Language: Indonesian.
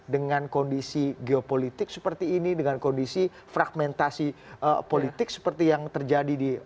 dengan kondisi geopolitik seperti ini dengan kondisi fragmentasi politik seperti yang terjadi di